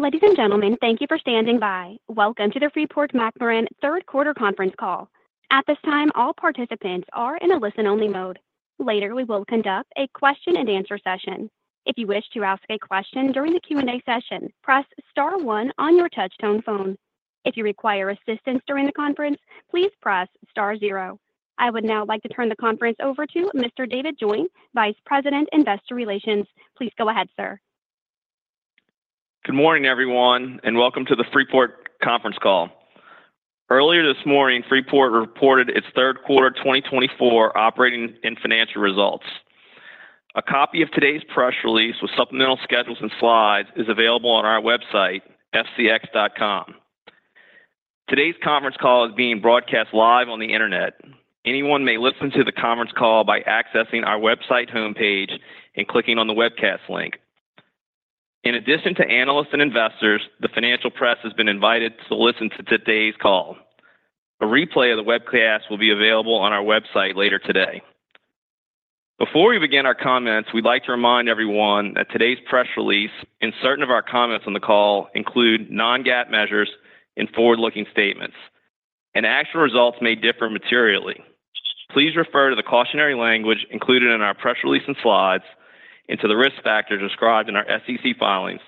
Ladies and gentlemen, thank you for standing by. Welcome to the Freeport-McMoRan Q3 Conference Call. At this time, all participants are in a listen-only mode. Later, we will conduct a Q&A session. If you wish to ask a question during the Q&A session, press star one on your touchtone phone. If you require assistance during the conference, please press star zero. I would now like to turn the conference over to Mr. David Joint, Vice President, Investor Relations. Please go ahead, sir. Good morning, everyone, and welcome to the Freeport Conference Call. Earlier this morning, Freeport reported its Q3 2024 operating and financial results. A copy of today's press release with supplemental schedules and slides is available on our website, fcx.com. Today's conference call is being broadcast live on the Internet. Anyone may listen to the conference call by accessing our website homepage and clicking on the webcast link. In addition to analysts and investors, the financial press has been invited to listen to today's call. A replay of the webcast will be available on our website later today. Before we begin our comments, we'd like to remind everyone that today's press release and certain of our comments on the call include non-GAAP measures and forward-looking statements, and actual results may differ materially. Please refer to the cautionary language included in our press release and slides and to the risk factors described in our SEC filings,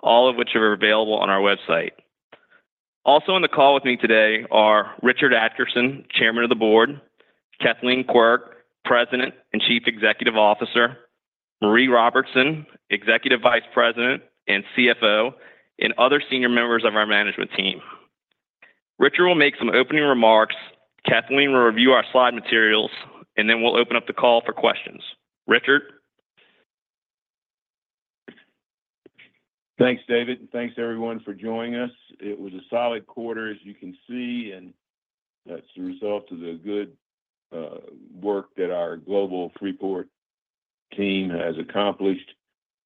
all of which are available on our website. Also on the call with me today are Richard Adkerson, Chairman of the Board, Kathleen Quirk, President and Chief Executive Officer, Mareé Robertson, Executive Vice President and CFO, and other senior members of our management team. Richard will make some opening remarks, Kathleen will review our slide materials, and then we'll open up the call for questions. Richard? Thanks, David, and thanks, everyone, for joining us. It was a solid quarter, as you can see, and that's the result of the good work that our global Freeport team has accomplished,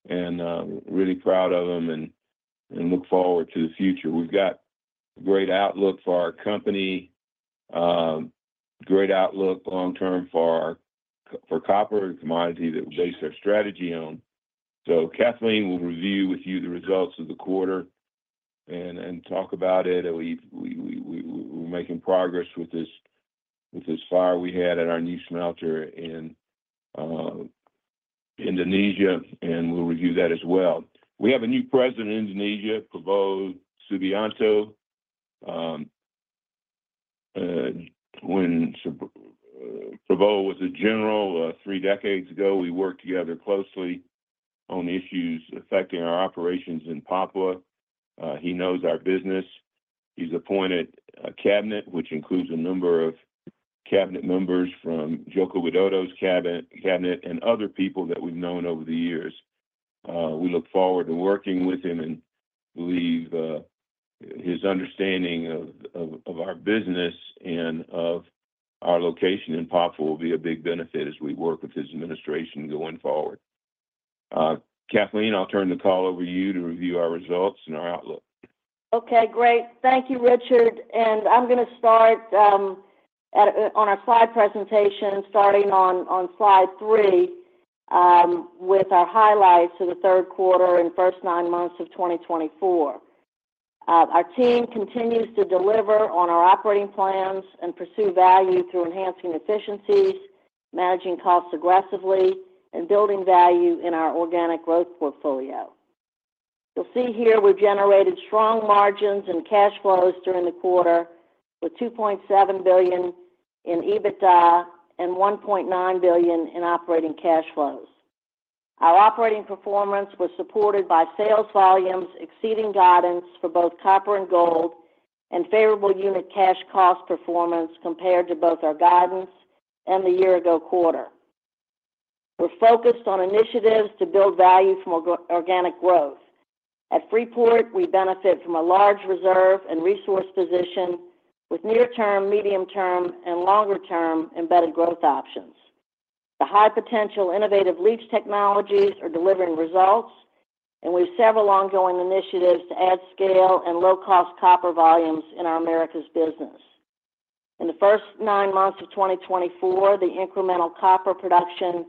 and I'm really proud of them and look forward to the future. We've got great outlook for our company, great outlook long term for copper, a commodity that we base our strategy on. So Kathleen will review with you the results of the quarter and talk about it. And we, we're making progress with this fire we had at our new smelter in Indonesia, and we'll review that as well. We have a new president in Indonesia, Prabowo Subianto. When Prabowo was a general three decades ago, we worked together closely on issues affecting our operations in Papua. He knows our business. He's appointed a cabinet, which includes a number of cabinet members from Joko Widodo's cabinet and other people that we've known over the years. We look forward to working with him and believe his understanding of our business and of our location in Papua will be a big benefit as we work with his administration going forward. Kathleen, I'll turn the call over to you to review our results and our outlook. Okay, great. Thank you, Richard, and I'm gonna start on our slide presentation, starting on slide three, with our highlights for the Q3 and first nine months of 2024. Our team continues to deliver on our operating plans and pursue value through enhancing efficiencies, managing costs aggressively, and building value in our organic growth portfolio. You'll see here we've generated strong margins and cash flows during the quarter, with $2.7 billion in EBITDA and $1.9 billion in operating cash flows. Our operating performance was supported by sales volumes exceeding guidance for both copper and gold, and favorable unit cash cost performance compared to both our guidance and the year-ago quarter. We're focused on initiatives to build value from organic growth. At Freeport, we benefit from a large reserve and resource position with near-term, medium-term, and longer-term embedded growth options. The high-potential innovative leach technologies are delivering results, and we have several ongoing initiatives to add scale and low-cost copper volumes in our Americas business. In the first nine months of twenty twenty-four, the incremental copper production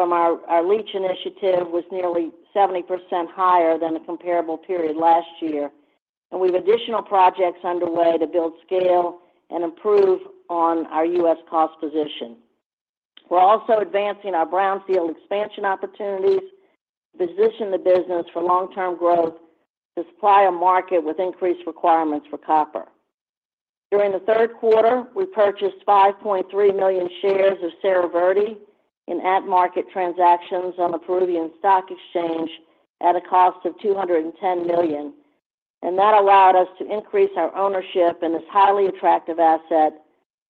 from our leach initiative was nearly 70% higher than the comparable period last year, and we have additional projects underway to build scale and improve on our U.S. cost position. We're also advancing our brownfield expansion opportunities to position the business for long-term growth to supply a market with increased requirements for copper. During the Q3, we purchased 5.3 million shares of Cerro Verde in at-market transactions on the Peruvian Stock Exchange at a cost of $210 million, and that allowed us to increase our ownership in this highly attractive asset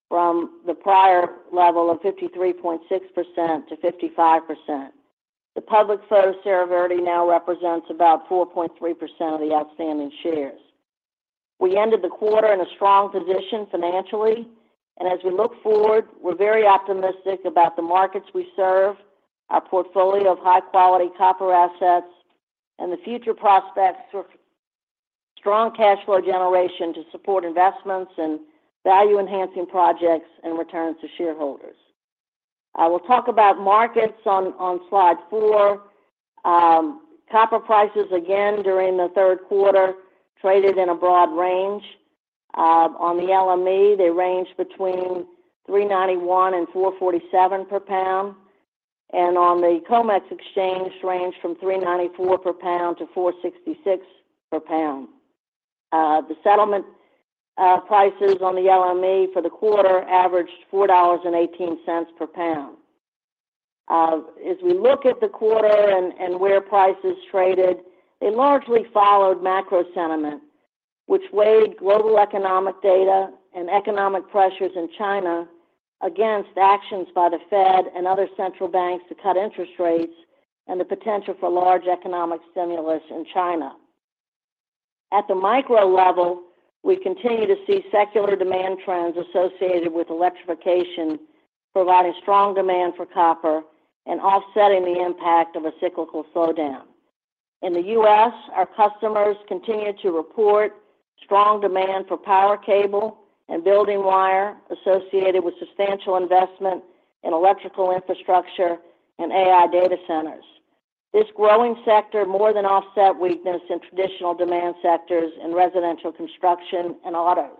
from the prior level of 53.6% to 55%. The public float of Cerro Verde now represents about 4.3% of the outstanding shares. We ended the quarter in a strong position financially, and as we look forward, we're very optimistic about the markets we serve, our portfolio of high-quality copper assets, and the future prospects for strong cash flow generation to support investments and value-enhancing projects and returns to shareholders. I will talk about markets on slide four. Copper prices again, during the Q3, traded in a broad range. On the LME, they ranged between $3.91 and $4.47 per pound, and on the COMEX exchange, ranged from $3.94 per pound to $4.66 per pound. The settlement prices on the LME for the quarter averaged $4.18 per pound. As we look at the quarter and where prices traded, they largely followed macro sentiment, which weighed global economic data and economic pressures in China against actions by the Fed and other central banks to cut interest rates and the potential for large economic stimulus in China. At the micro level, we continue to see secular demand trends associated with electrification, providing strong demand for copper and offsetting the impact of a cyclical slowdown. In the U.S., our customers continue to report strong demand for power cable and building wire associated with substantial investment in electrical infrastructure and AI data centers. This growing sector more than offset weakness in traditional demand sectors in residential construction and autos.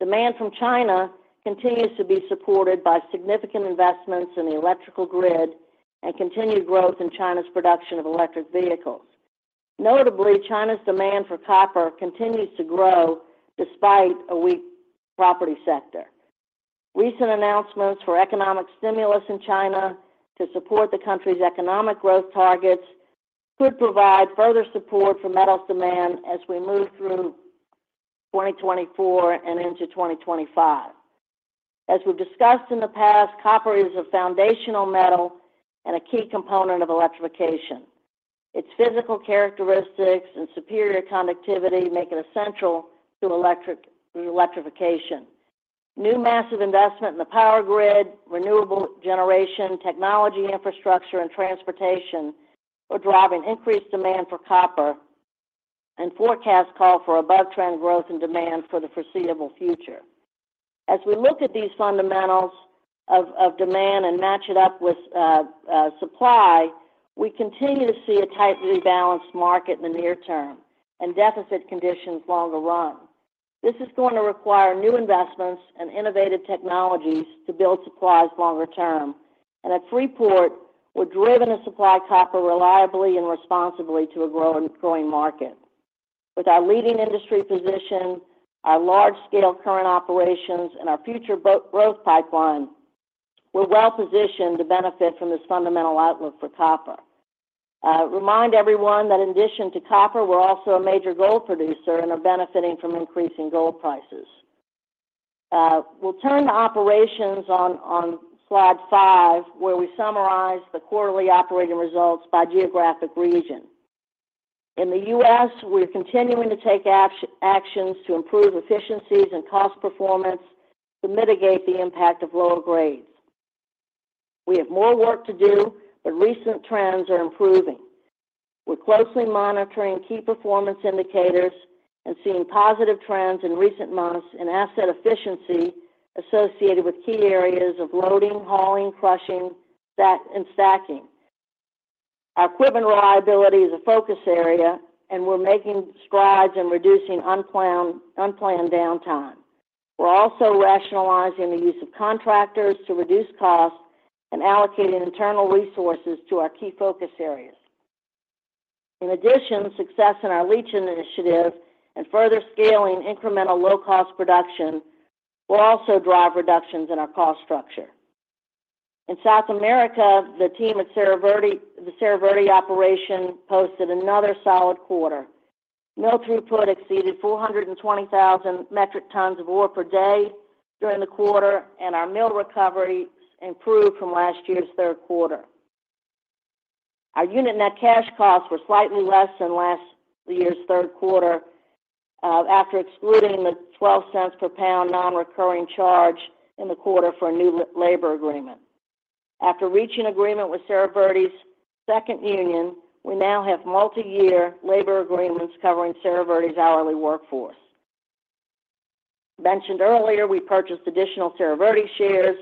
Demand from China continues to be supported by significant investments in the electrical grid and continued growth in China's production of electric vehicles. Notably, China's demand for copper continues to grow despite a weak property sector. Recent announcements for economic stimulus in China to support the country's economic growth targets could provide further support for metal demand as we move through twenty twenty-four and into twenty twenty-five. As we've discussed in the past, copper is a foundational metal and a key component of electrification. Its physical characteristics and superior conductivity make it essential to electrification. New massive investment in the power grid, renewable generation, technology, infrastructure, and transportation are driving increased demand for copper, and forecasts call for above-trend growth in demand for the foreseeable future. As we look at these fundamentals of demand and match it up with supply, we continue to see a tightly balanced market in the near term and deficit conditions longer run. This is going to require new investments and innovative technologies to build supplies longer term, and at Freeport, we're driven to supply copper reliably and responsibly to a growing market. With our leading industry position, our large-scale current operations, and our future growth pipeline, we're well positioned to benefit from this fundamental outlook for copper. Remind everyone that in addition to copper, we're also a major gold producer and are benefiting from increasing gold prices. We'll turn to operations on slide five, where we summarize the quarterly operating results by geographic region. In the US, we're continuing to take actions to improve efficiencies and cost performance to mitigate the impact of lower grades. We have more work to do, but recent trends are improving. We're closely monitoring key performance indicators and seeing positive trends in recent months in asset efficiency associated with key areas of loading, hauling, crushing, and stacking. Our equipment reliability is a focus area, and we're making strides in reducing unplanned downtime. We're also rationalizing the use of contractors to reduce costs and allocating internal resources to our key focus areas. In addition, success in our leach initiative and further scaling incremental low-cost production will also drive reductions in our cost structure. In South America, the team at Cerro Verde, the Cerro Verde operation, posted another solid quarter. Mill throughput exceeded 420,000 metric tons of ore per day during the quarter, and our mill recovery improved from last year's Q3. Our unit net cash costs were slightly less than last year's Q3, after excluding the $0.12 per pound non-recurring charge in the quarter for a new labor agreement. After reaching agreement with Cerro Verde's second union, we now have multiyear labor agreements covering Cerro Verde's hourly workforce. Mentioned earlier, we purchased additional Cerro Verde shares.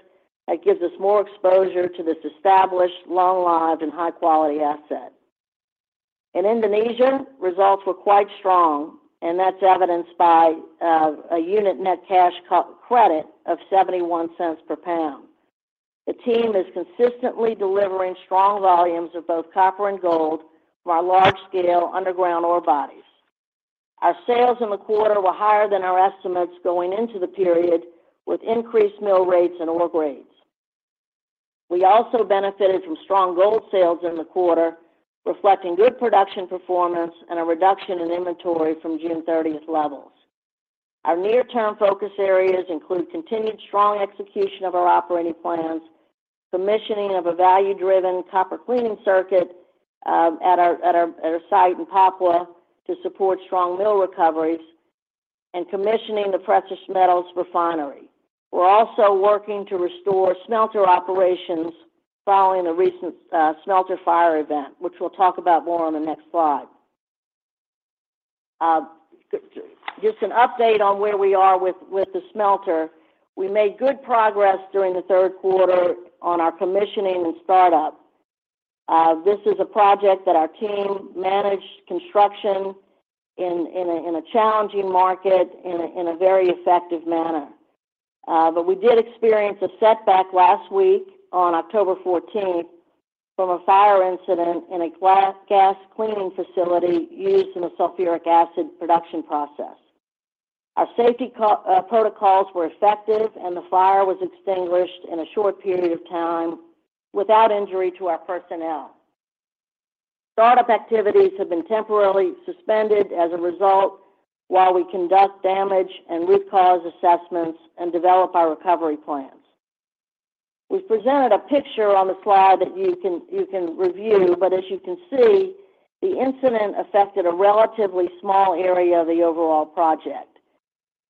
That gives us more exposure to this established, long-lived, and high-quality asset. In Indonesia, results were quite strong, and that's evidenced by a unit net cash credit of $0.71 per pound. The team is consistently delivering strong volumes of both copper and gold from our large-scale underground ore bodies. Our sales in the quarter were higher than our estimates going into the period, with increased mill rates and ore grades. We also benefited from strong gold sales in the quarter, reflecting good production performance and a reduction in inventory from June thirtieth levels. Our near-term focus areas include continued strong execution of our operating plans, commissioning of a value-driven copper cleaning circuit at our site in Papua to support strong mill recoveries, and commissioning the precious metals refinery. We're also working to restore smelter operations following a recent smelter fire event, which we'll talk about more on the next slide. Just an update on where we are with the smelter. We made good progress during the Q3 on our commissioning and startup. This is a project that our team managed construction in a challenging market in a very effective manner, but we did experience a setback last week on October fourteenth from a fire incident in a gas cleaning facility used in the sulfuric acid production process. Our safety protocols were effective, and the fire was extinguished in a short period of time without injury to our personnel. Startup activities have been temporarily suspended as a result, while we conduct damage and root cause assessments and develop our recovery plans. We've presented a picture on the slide that you can review, but as you can see, the incident affected a relatively small area of the overall project.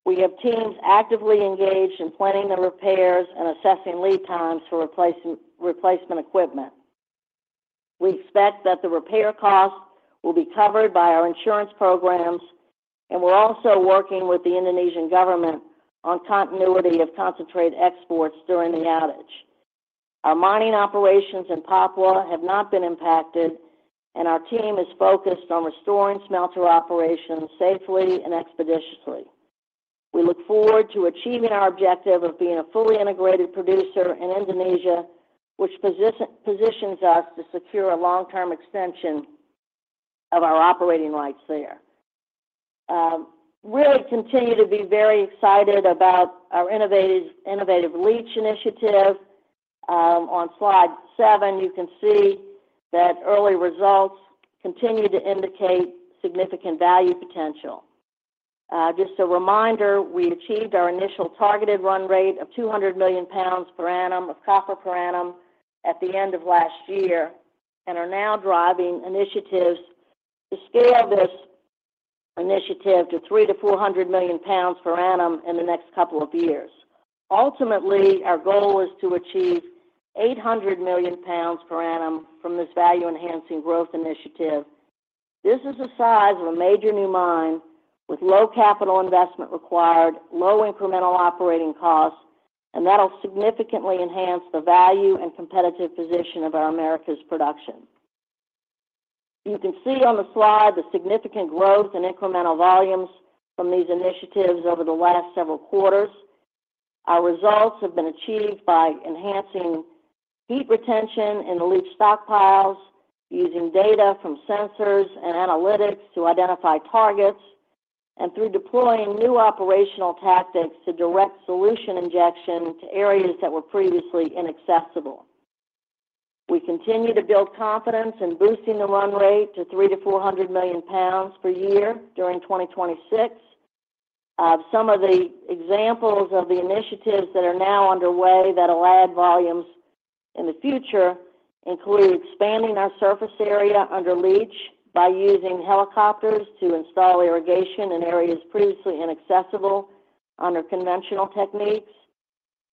We have teams actively engaged in planning the repairs and assessing lead times for replacement equipment. We expect that the repair costs will be covered by our insurance programs, and we're also working with the Indonesian government on continuity of concentrate exports during the outage. Our mining operations in Papua have not been impacted, and our team is focused on restoring smelter operations safely and expeditiously. We look forward to achieving our objective of being a fully integrated producer in Indonesia, which positions us to secure a long-term extension of our operating rights there. We continue to be very excited about our innovative leach initiative. On slide seven, you can see that early results continue to indicate significant value potential. Just a reminder, we achieved our initial targeted run rate of two hundred million pounds per annum of copper per annum at the end of last year, and are now driving initiatives to scale this initiative to three to four hundred million pounds per annum in the next couple of years. Ultimately, our goal is to achieve eight hundred million pounds per annum from this value-enhancing growth initiative. This is the size of a major new mine with low capital investment required, low incremental operating costs, and that'll significantly enhance the value and competitive position of our Americas production. You can see on the slide the significant growth in incremental volumes from these initiatives over the last several quarters. Our results have been achieved by enhancing heat retention in the leach stockpiles, using data from sensors and analytics to identify targets, and through deploying new operational tactics to direct solution injection to areas that were previously inaccessible. We continue to build confidence in boosting the run rate to 300-400 million pounds per year during 2026. Some of the examples of the initiatives that are now underway that will add volumes in the future include expanding our surface area under leach by using helicopters to install irrigation in areas previously inaccessible under conventional techniques,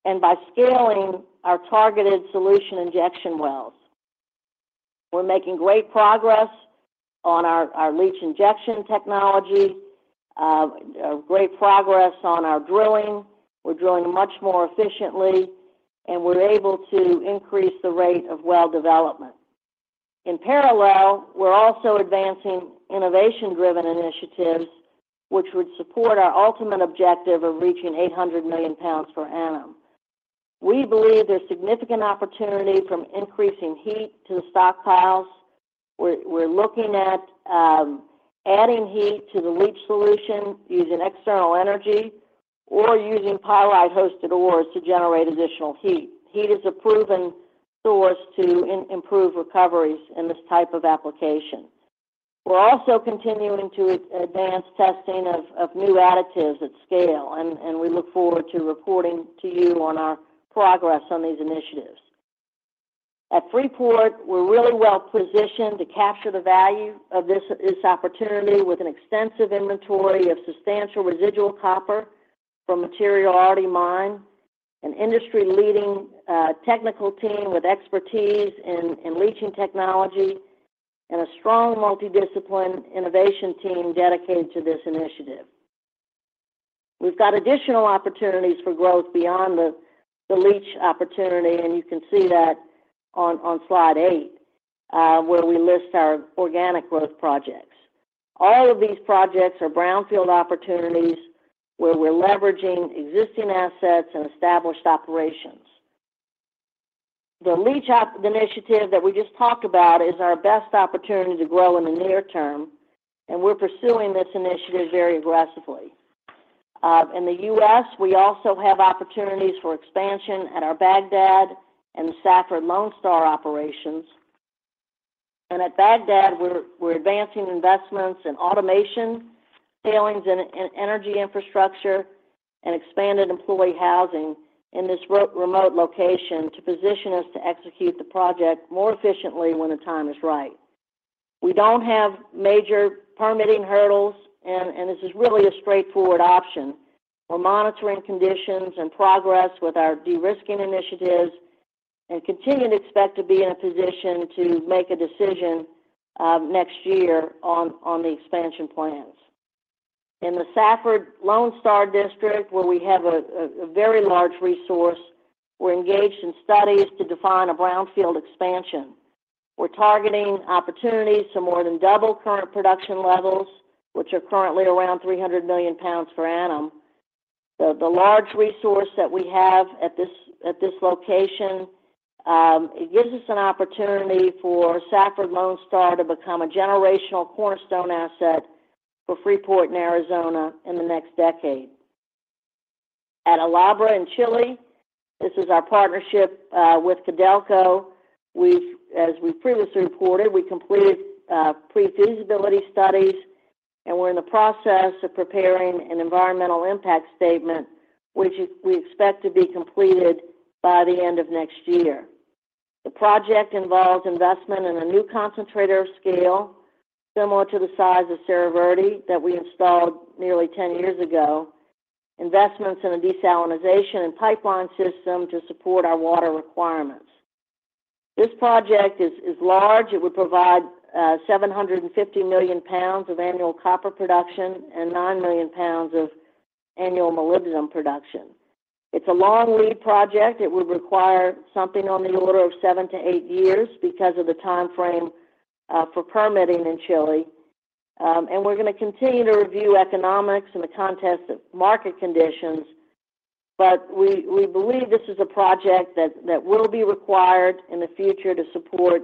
and by scaling our targeted solution injection wells. We're making great progress on our leach injection technology, great progress on our drilling. We're drilling much more efficiently, and we're able to increase the rate of well development. In parallel, we're also advancing innovation-driven initiatives, which would support our ultimate objective of reaching 800 million pounds per annum. We believe there's significant opportunity from increasing heat to the stockpiles. We're looking at adding heat to the leach solution using external energy or using pyrite-hosted ores to generate additional heat. Heat is a proven source to improve recoveries in this type of application. We're also continuing to advance testing of new additives at scale, and we look forward to reporting to you on our progress on these initiatives. At Freeport, we're really well positioned to capture the value of this opportunity with an extensive inventory of substantial residual copper from material already mined, an industry-leading technical team with expertise in leaching technology, and a strong multi-discipline innovation team dedicated to this initiative. We've got additional opportunities for growth beyond the leach opportunity, and you can see that on slide eight, where we list our organic growth projects. All of these projects are brownfield opportunities, where we're leveraging existing assets and established operations. The leach initiative that we just talked about is our best opportunity to grow in the near term, and we're pursuing this initiative very aggressively. In the US, we also have opportunities for expansion at our Bagdad and the Safford Lone Star operations. And at Bagdad, we're advancing investments in automation, tailings, and energy infrastructure, and expanded employee housing in this remote location to position us to execute the project more efficiently when the time is right. We don't have major permitting hurdles, and this is really a straightforward option. We're monitoring conditions and progress with our de-risking initiatives-... and continue to expect to be in a position to make a decision next year on the expansion plans. In the Safford Lone Star District, where we have a very large resource, we're engaged in studies to define a brownfield expansion. We're targeting opportunities to more than double current production levels, which are currently around 300 million pounds per annum. The large resource that we have at this location, it gives us an opportunity for Safford Lone Star to become a generational cornerstone asset for Freeport in Arizona in the next decade. At El Abra in Chile, this is our partnership with Codelco. We've, as we previously reported, we completed pre-feasibility studies, and we're in the process of preparing an environmental impact statement, which we expect to be completed by the end of next year. The project involves investment in a new concentrator scale, similar to the size of Cerro Verde, that we installed nearly 10 years ago, investments in a desalination and pipeline system to support our water requirements. This project is large. It would provide 750 million pounds of annual copper production and 9 million pounds of annual molybdenum production. It's a long lead project. It would require something on the order of seven to eight years because of the timeframe for permitting in Chile, and we're gonna continue to review economics in the context of market conditions, but we believe this is a project that will be required in the future to support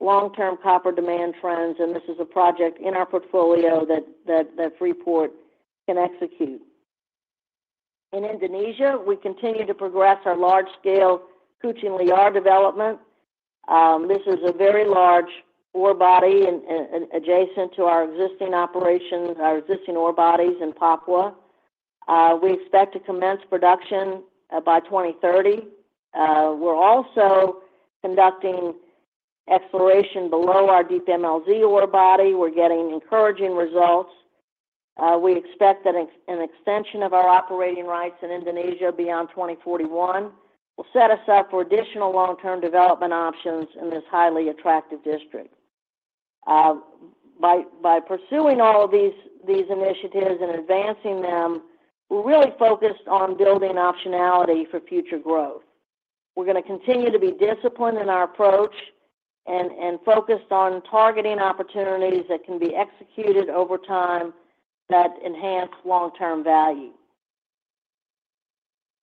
long-term copper demand trends, and this is a project in our portfolio that Freeport can execute. In Indonesia, we continue to progress our large-scale Kucing Liar development. This is a very large ore body adjacent to our existing operations, our existing ore bodies in Papua. We expect to commence production by 2030. We're also conducting exploration below our Deep MLZ ore body. We're getting encouraging results. We expect that an extension of our operating rights in Indonesia beyond 2041 will set us up for additional long-term development options in this highly attractive district. By pursuing all of these initiatives and advancing them, we're really focused on building optionality for future growth. We're gonna continue to be disciplined in our approach and focused on targeting opportunities that can be executed over time that enhance long-term value.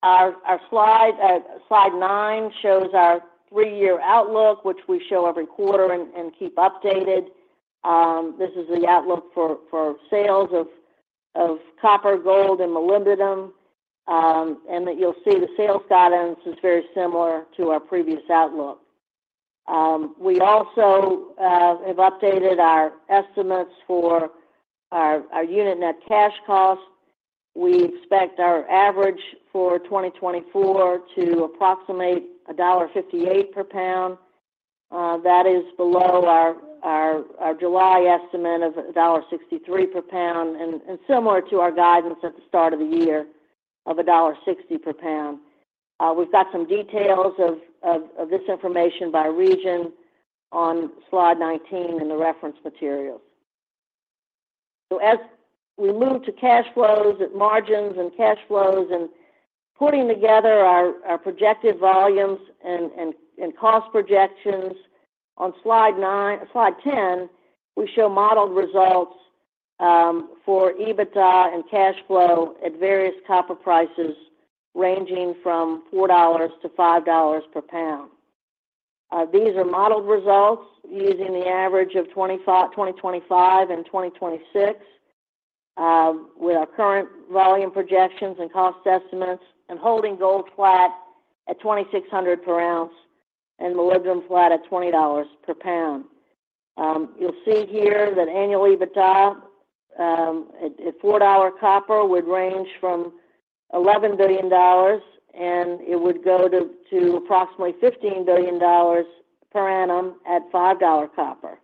Our slide nine shows our three-year outlook, which we show every quarter and keep updated. This is the outlook for sales of copper, gold, and molybdenum, and that you'll see the sales guidance is very similar to our previous outlook. We also have updated our estimates for our unit net cash cost. We expect our average for 2024 to approximate $1.58 per pound. That is below our July estimate of $1.63 per pound and similar to our guidance at the start of the year of $1.60 per pound. We've got some details of this information by region on slide 19 in the reference materials. As we move to cash flows, margins and cash flows, and putting together our projected volumes and cost projections, on slide 9, slide 10, we show modeled results for EBITDA and cash flow at various copper prices, ranging from $4 to $5 per pound. These are modeled results using the average of 2025 and 2026, with our current volume projections and cost estimates, and holding gold flat at $2,600 per ounce and molybdenum flat at $20 per pound. You'll see here that annual EBITDA at $4 copper would range from $11 billion, and it would go to approximately $15 billion per annum at $5 copper.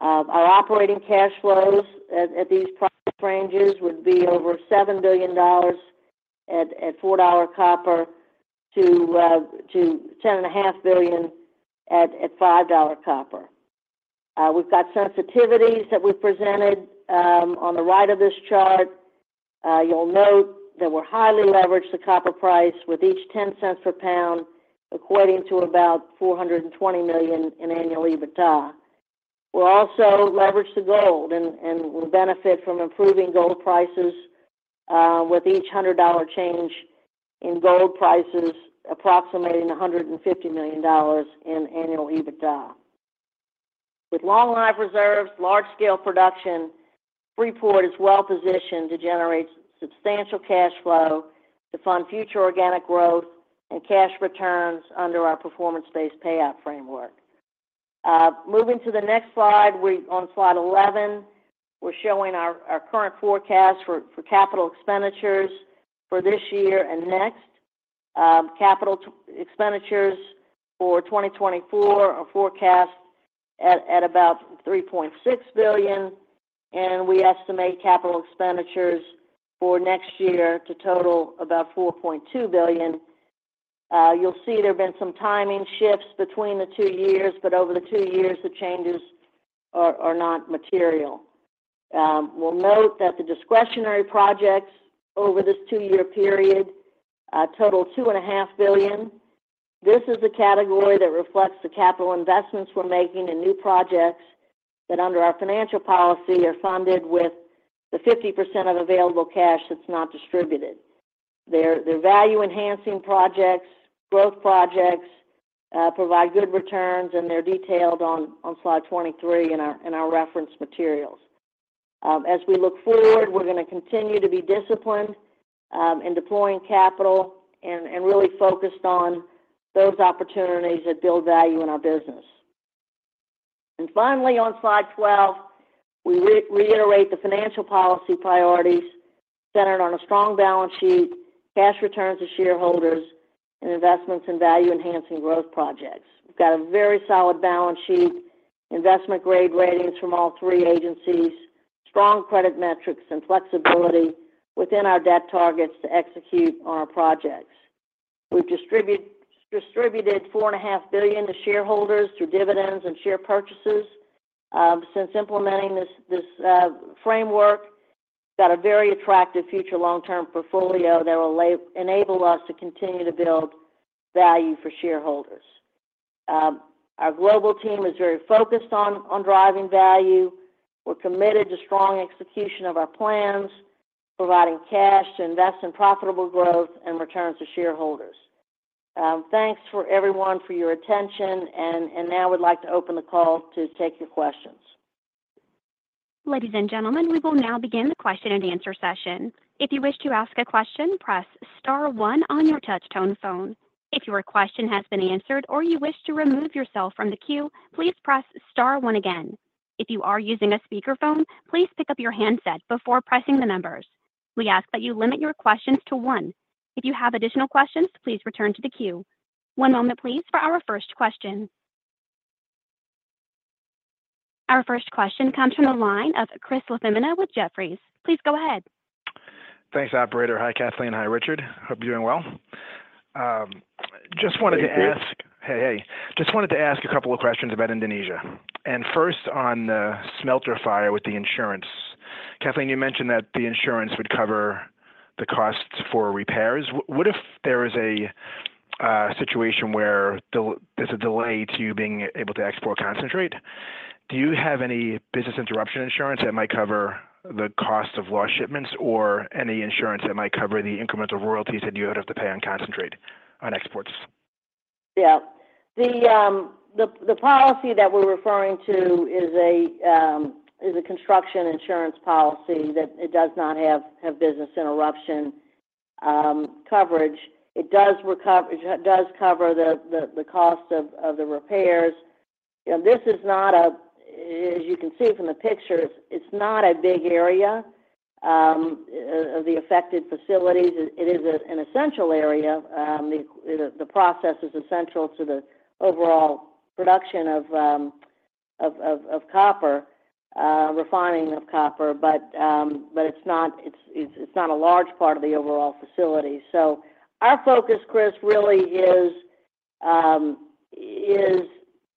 Our operating cash flows at these price ranges would be over $7 billion at $4 copper to $10.5 billion at $5 copper. We've got sensitivities that we've presented on the right of this chart. You'll note that we're highly leveraged to copper price, with each 10 cents per pound equating to about $420 million in annual EBITDA. We're also leveraged to gold and will benefit from improving gold prices, with each $100 change in gold prices approximating $150 million in annual EBITDA. With long-life reserves, large-scale production, Freeport is well positioned to generate substantial cash flow to fund future organic growth and cash returns under our performance-based payout framework. Moving to the next slide, on slide 11, we're showing our current forecast for capital expenditures for this year and next. Capital expenditures for 2024 are forecast at about $3.6 billion, and we estimate capital expenditures for next year to total about $4.2 billion. You'll see there have been some timing shifts between the two years, but over the two years, the changes are not material. We'll note that the discretionary projects over this two-year period total $2.5 billion. This is a category that reflects the capital investments we're making in new projects that, under our financial policy, are funded with the 50% of available cash that's not distributed. They're value-enhancing projects. Growth projects provide good returns, and they're detailed on slide twenty-three in our reference materials. As we look forward, we're gonna continue to be disciplined in deploying capital and really focused on those opportunities that build value in our business. Finally, on slide twelve, we reiterate the financial policy priorities centered on a strong balance sheet, cash returns to shareholders, and investments in value-enhancing growth projects. We've got a very solid balance sheet, investment-grade ratings from all three agencies, strong credit metrics and flexibility within our debt targets to execute on our projects. We've distributed $4.5 billion to shareholders through dividends and share purchases since implementing this framework. Got a very attractive future long-term portfolio that will enable us to continue to build value for shareholders. Our global team is very focused on driving value. We're committed to strong execution of our plans, providing cash to invest in profitable growth and returns to shareholders. Thanks to everyone for your attention, and now we'd like to open the call to take your questions. Ladies and gentlemen, we will now begin the Q&A session. If you wish to ask a question, press star one on your touchtone phone. If your question has been answered or you wish to remove yourself from the queue, please press star one again. If you are using a speakerphone, please pick up your handset before pressing the numbers. We ask that you limit your questions to one. If you have additional questions, please return to the queue. One moment, please, for our first question. Our first question comes from the line of Chris LaFemina with Jefferies. Please go ahead. Thanks, operator. Hi, Kathleen. Hi, Richard. Hope you're doing well. Just wanted to ask- Hey, Chris. Hey, hey. Just wanted to ask a couple of questions about Indonesia, and first, on the smelter fire with the insurance. Kathleen, you mentioned that the insurance would cover the costs for repairs. What if there is a situation where there's a delay to you being able to export concentrate? Do you have any business interruption insurance that might cover the cost of lost shipments or any insurance that might cover the incremental royalties that you would have to pay on concentrate on exports? Yeah. The policy that we're referring to is a construction insurance policy that it does not have business interruption coverage. It does cover the cost of the repairs. You know, this is not a, as you can see from the picture, it's not a big area of the affected facilities. It is an essential area. The process is essential to the overall production of copper refining of copper. But it's not a large part of the overall facility. So our focus, Chris, really is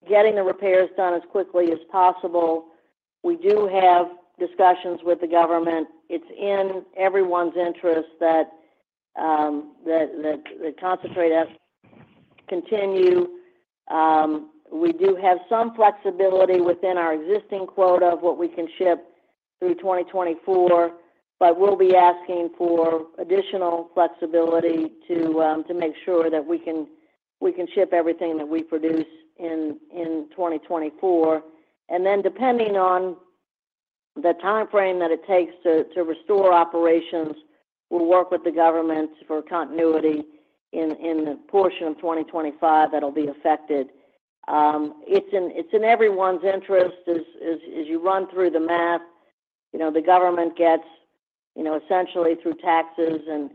getting the repairs done as quickly as possible. We do have discussions with the government. It's in everyone's interest that the concentrate efforts continue. We do have some flexibility within our existing quota of what we can ship through 2024, but we'll be asking for additional flexibility to make sure that we can ship everything that we produce in 2024. And then, depending on the timeframe that it takes to restore operations, we'll work with the government for continuity in the portion of 2025 that'll be affected. It's in everyone's interest. As you run through the math, you know, the government gets, you know, essentially through taxes and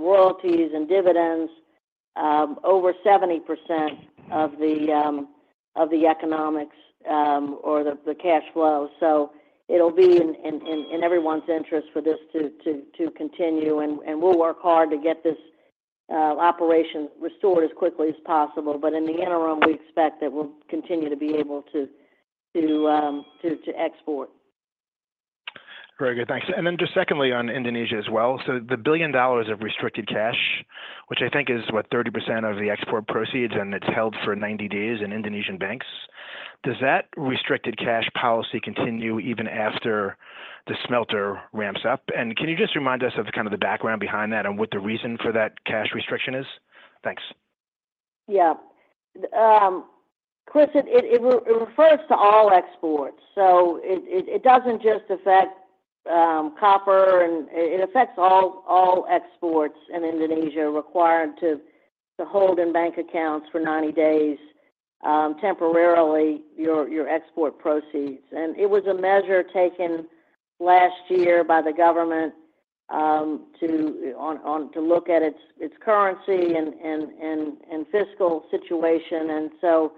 royalties and dividends, over 70% of the economics or the cash flow. So it'll be in everyone's interest for this to continue, and we'll work hard to get this operation restored as quickly as possible. But in the interim, we expect that we'll continue to be able to export. Very good. Thanks. And then just secondly on Indonesia as well. So the $1 billion of restricted cash, which I think is, what, 30% of the export proceeds, and it's held for 90 days in Indonesian banks, does that restricted cash policy continue even after the smelter ramps up? And can you just remind us of kind of the background behind that and what the reason for that cash restriction is? Thanks. Yeah. Chris, it refers to all exports. So it doesn't just affect copper and it affects all exports in Indonesia required to hold in bank accounts for ninety days, temporarily, your export proceeds. And it was a measure taken last year by the government to look at its currency and fiscal situation. And so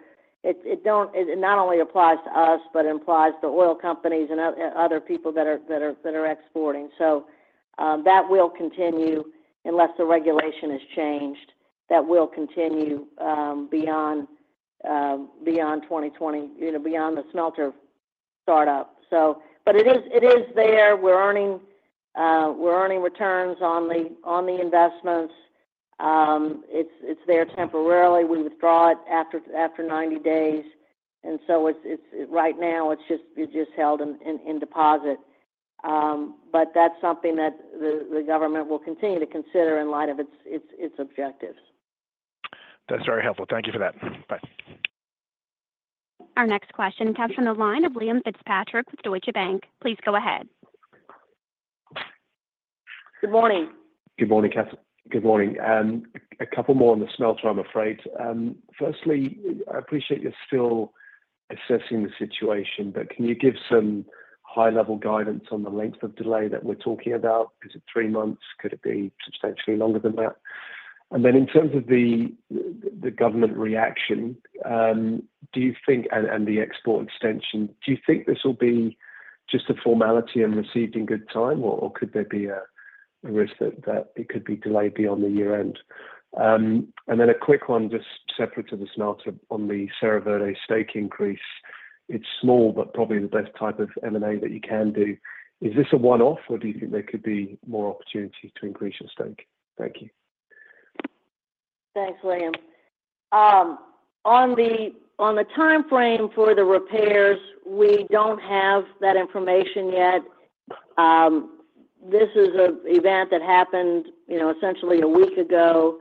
it not only applies to us, but it applies to oil companies and other people that are exporting. So that will continue unless the regulation is changed. That will continue beyond twenty twenty, you know, beyond the smelter startup. So but it is there. We're earning returns on the investments. It's there temporarily. We withdraw it after ninety days, and so it's right now it's just held in deposit, but that's something that the government will continue to consider in light of its objectives. That's very helpful. Thank you for that. Bye. Our next question comes from the line of Liam Fitzpatrick with Deutsche Bank. Please go ahead. Good morning. Good morning, Kathy. Good morning. A couple more on the smelter, I'm afraid. Firstly, I appreciate you're still assessing the situation, but can you give some high-level guidance on the length of delay that we're talking about? Is it three months? Could it be substantially longer than that? And then in terms of the government reaction, do you think and the export extension, do you think this will be just a formality and received in good time, or could there be a risk that it could be delayed beyond the year-end? And then a quick one, just separate to the smelter, on the Cerro Verde stake increase. It's small, but probably the best type of M&A that you can do. Is this a one-off, or do you think there could be more opportunity to increase your stake? Thank you. Thanks, Liam. On the timeframe for the repairs, we don't have that information yet. This is an event that happened, you know, essentially a week ago,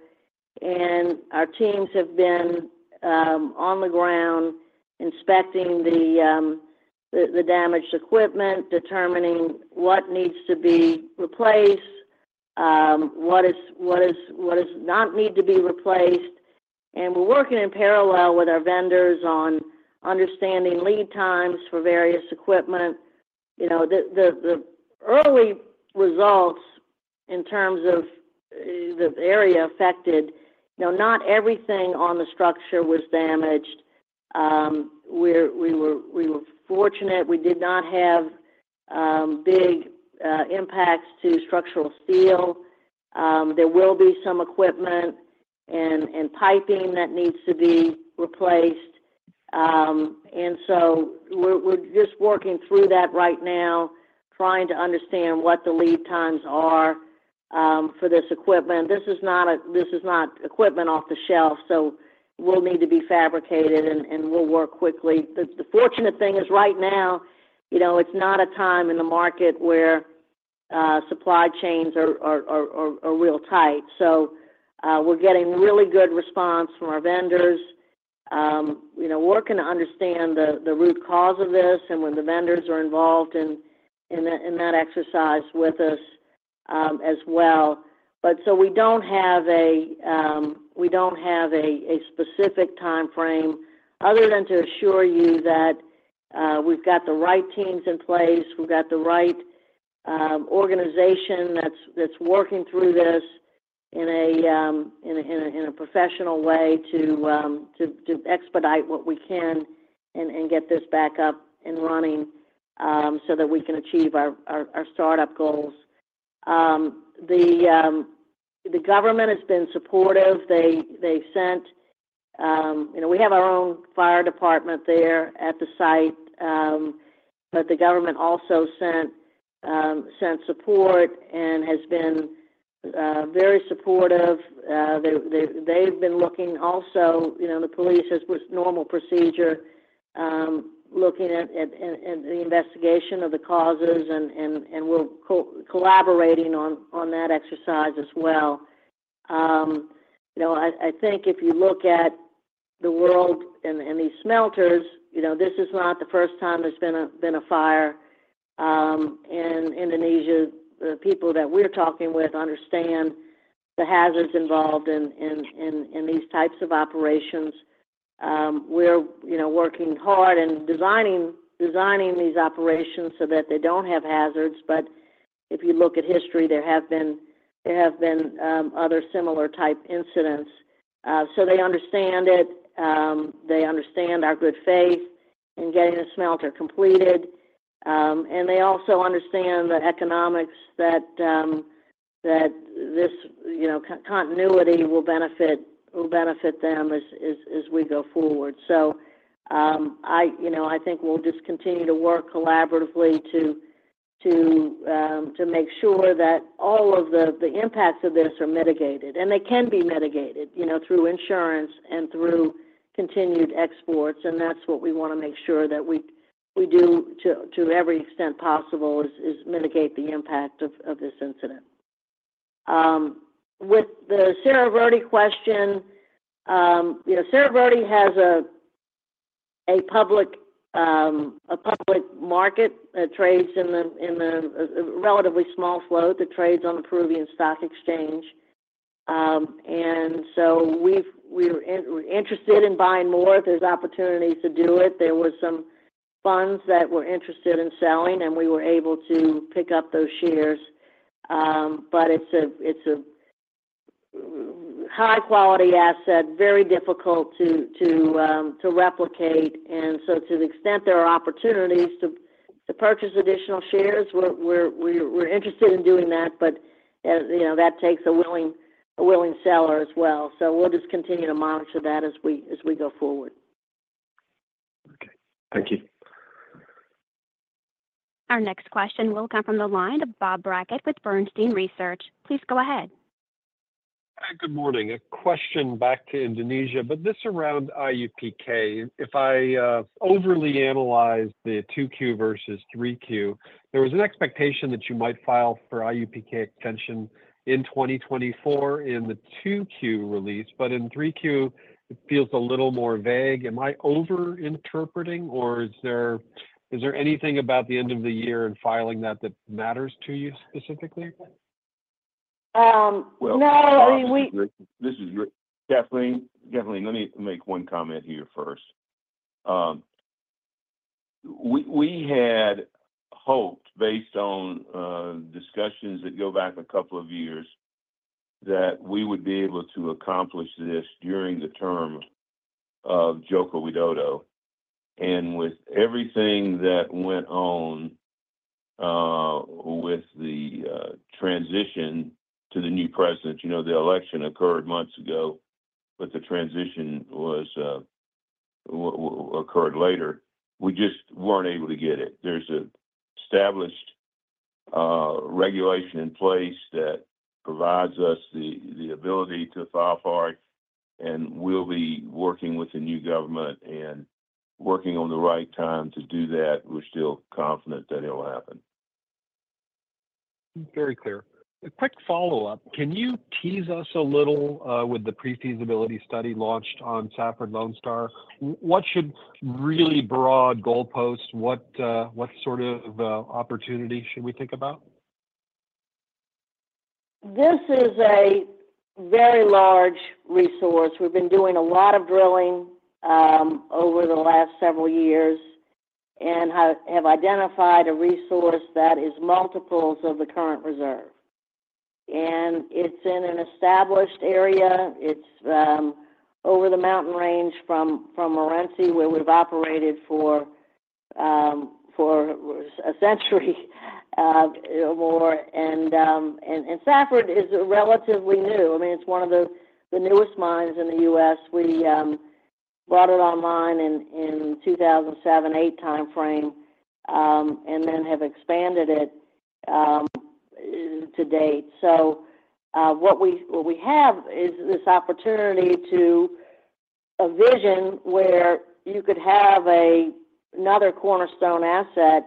and our teams have been on the ground inspecting the damaged equipment, determining what needs to be replaced, what does not need to be replaced. And we're working in parallel with our vendors on understanding lead times for various equipment. You know, the early results in terms of the area affected, you know, not everything on the structure was damaged. We were fortunate. We did not have big impacts to structural steel. There will be some equipment and piping that needs to be replaced. And so we're just working through that right now, trying to understand what the lead times are for this equipment. This is not equipment off the shelf, so will need to be fabricated, and we'll work quickly. The fortunate thing is right now, you know, it's not a time in the market where supply chains are real tight. So, we're getting really good response from our vendors. You know, working to understand the root cause of this, and when the vendors are involved in that exercise with us, as well. But we don't have a specific timeframe, other than to assure you that we've got the right teams in place. We've got the right organization that's working through this in a professional way to expedite what we can and get this back up and running, so that we can achieve our startup goals. The government has been supportive. They sent... You know, we have our own fire department there at the site, but the government also sent support and has been very supportive. They've been looking also, you know, the police, as was normal procedure, looking at the investigation of the causes, and we're collaborating on that exercise as well. You know, I think if you look at the world and these smelters, you know, this is not the first time there's been a fire in Indonesia. The people that we're talking with understand the hazards involved in these types of operations. We're, you know, working hard and designing these operations so that they don't have hazards, but if you look at history, there have been other similar type incidents, so they understand it. They understand our good faith in getting the smelter completed, and they also understand the economics that this, you know, continuity will benefit them as we go forward, so you know, I think we'll just continue to work collaboratively to make sure that all of the impacts of this are mitigated, and they can be mitigated, you know, through insurance and through continued exports, and that's what we want to make sure that we do to every extent possible, is mitigate the impact of this incident. With the Cerro Verde question, you know, Cerro Verde has a public market, trades in the relatively small float that trades on the Peruvian stock exchange. And so we're interested in buying more if there's opportunities to do it. There were some funds that were interested in selling, and we were able to pick up those shares. But it's a high-quality asset, very difficult to replicate. And so to the extent there are opportunities to purchase additional shares, we're interested in doing that. But you know, that takes a willing seller as well. So we'll just continue to monitor that as we go forward. Okay. Thank you. Our next question will come from the line of Bob Brackett with Bernstein Research. Please go ahead. Hi, good morning. A question back to Indonesia, but this around IUPK. If I overly analyze the 2Q versus 3Q, there was an expectation that you might file for IUPK extension in 2024 in the 2Q release, but in 3Q, it feels a little more vague. Am I over-interpreting, or is there anything about the end of the year in filing that matters to you specifically? No, I mean, we- This is Rick. Kathleen, let me make one comment here first. We had hoped, based on discussions that go back a couple of years, that we would be able to accomplish this during the term of Joko Widodo. With everything that went on with the transition to the new president, you know, the election occurred months ago, but the transition occurred later. We just weren't able to get it. There's an established regulation in place that provides us the ability to file for it, and we'll be working with the new government and working on the right time to do that. We're still confident that it'll happen. Very clear. A quick follow-up: Can you tease us a little with the pre-feasibility study launched on Safford-Lone Star? What should really be the broad goalpost, what sort of opportunity should we think about? This is a very large resource. We've been doing a lot of drilling over the last several years and have identified a resource that is multiples of the current reserve. And it's in an established area. It's over the mountain range from Morenci, where we've operated for a century more. And Safford is relatively new. I mean, it's one of the newest mines in the U.S. We brought it online in 2007-2008 timeframe and then have expanded it to date. So, what we have is this opportunity to a vision where you could have another cornerstone asset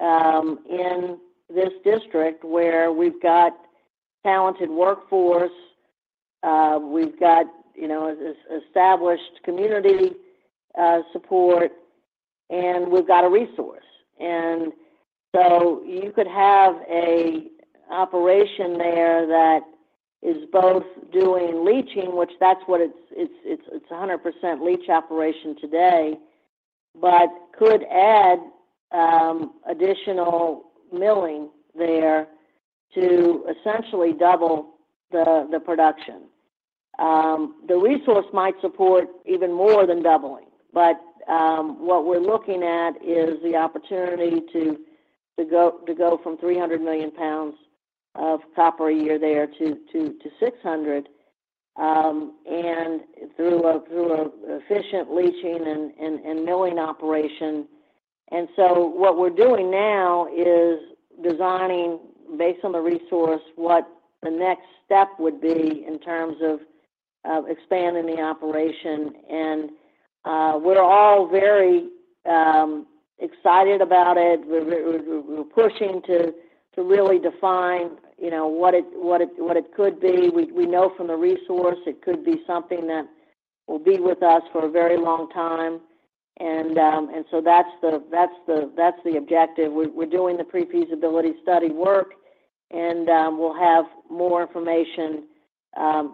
in this district, where we've got talented workforce, we've got, you know, established community support, and we've got a resource. So you could have an operation there that is both doing leaching, which is what it's a 100% leach operation today, but could add additional milling there to essentially double the production. The resource might support even more than doubling, but what we're looking at is the opportunity to go from 300 million pounds of copper a year there to 600, and through an efficient leaching and milling operation. So what we're doing now is designing, based on the resource, what the next step would be in terms of expanding the operation. We're all very excited about it. We're pushing to really define, you know, what it could be. We know from the resource, it could be something that will be with us for a very long time, and so that's the objective. We're doing the pre-feasibility study work, and we'll have more information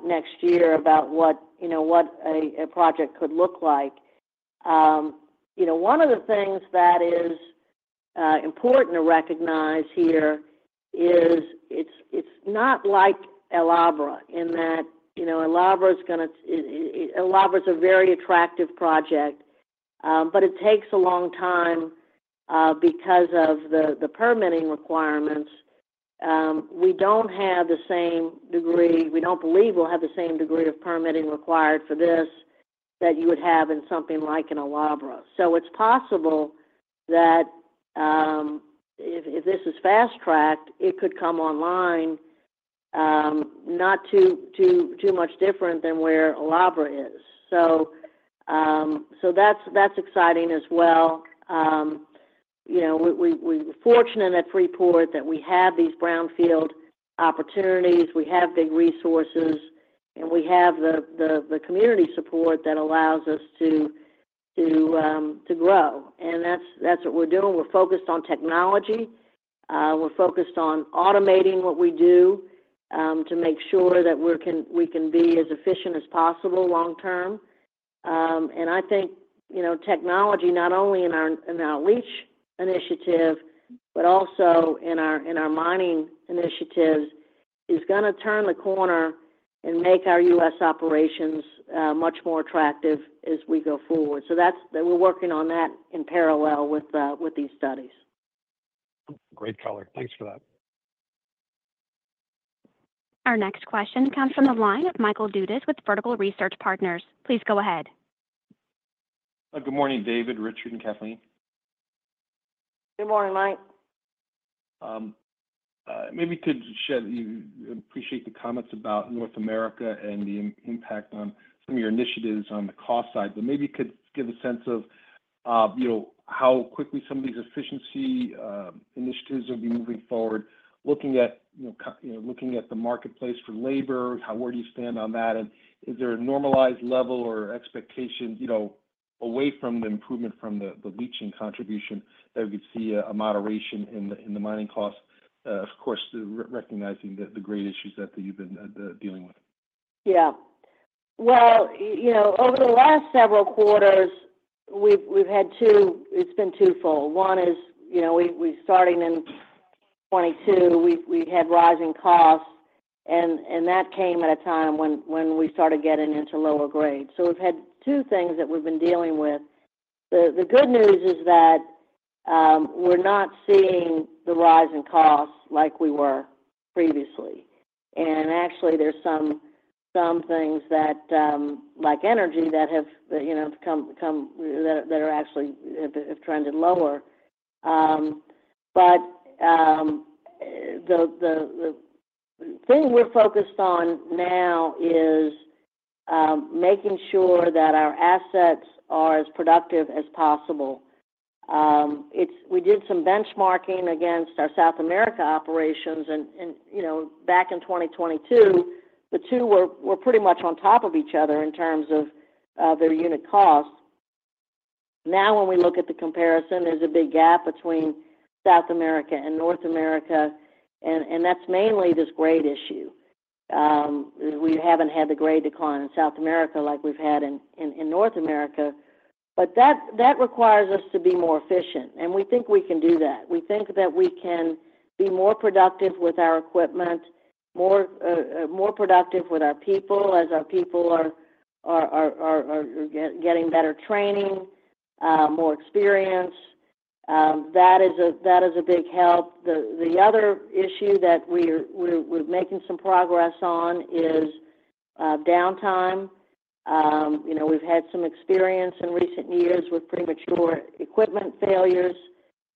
next year about what, you know, what a project could look like. You know, one of the things that is important to recognize here is it's not like El Abra, in that, you know, El Abra is a very attractive project, but it takes a long time because of the permitting requirements. We don't believe we'll have the same degree of permitting required for this that you would have in something like an El Abra. So it's possible that if this is fast-tracked, it could come online not too much different than where El Abra is. So that's exciting as well. You know, we're fortunate at Freeport that we have these brownfield opportunities, we have big resources, and we have the community support that allows us to grow. And that's what we're doing. We're focused on technology. We're focused on automating what we do to make sure that we can be as efficient as possible long term. And I think, you know, technology not only in our leach initiative but also in our mining initiative is gonna turn the corner and make our U.S. operations much more attractive as we go forward. So that's. We're working on that in parallel with these studies. Great color. Thanks for that. Our next question comes from the line of Michael Dudas with Vertical Research Partners. Please go ahead. Good morning, David, Richard, and Kathleen. Good morning, Mike. I appreciate the comments about North America and the impact on some of your initiatives on the cost side, but maybe you could give a sense of, you know, how quickly some of these efficiency initiatives will be moving forward, looking at, you know, looking at the marketplace for labor, how, where do you stand on that? And is there a normalized level or expectation, you know, away from the improvement from the leaching contribution, that we'd see a moderation in the mining costs? Of course, recognizing the grade issues that you've been dealing with. Yeah. Well, you know, over the last several quarters, we've had two... It's been twofold. One is, you know, we starting in 2022, we've had rising costs, and that came at a time when we started getting into lower grades. So we've had two things that we've been dealing with. The good news is that we're not seeing the rise in costs like we were previously. And actually, there's some things that, like energy, that have, you know, come... that are actually have trended lower. But the thing we're focused on now is making sure that our assets are as productive as possible. It's we did some benchmarking against our South America operations, and you know, back in 2022, the two were pretty much on top of each other in terms of their unit costs. Now, when we look at the comparison, there's a big gap between South America and North America, and that's mainly this grade issue. We haven't had the grade decline in South America like we've had in North America, but that requires us to be more efficient, and we think we can do that. We think that we can be more productive with our equipment, more productive with our people, as our people are getting better training, more experience. That is a big help. The other issue that we're making some progress on is downtime. You know, we've had some experience in recent years with premature equipment failures.